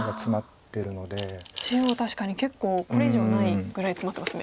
中央確かに結構これ以上ないぐらいツマってますね。